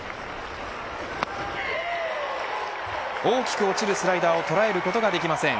大きく落ちるスライダーを捉えることができません。